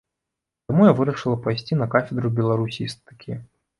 Таму я вырашыла пайсці на кафедру беларусістыкі.